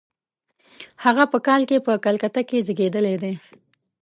هغه په کال کې په کلکته کې زېږېدلی دی.